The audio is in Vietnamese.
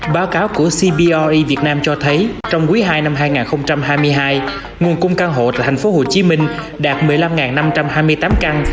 báo cáo của cbr e việt nam cho thấy trong quý ii năm hai nghìn hai mươi hai nguồn cung căn hộ tại tp hcm đạt một mươi năm năm trăm hai mươi tám căn